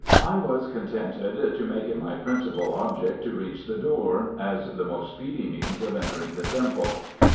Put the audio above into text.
I was contented to make it my principal object to reach the door, as the most speedy means of entering the temple.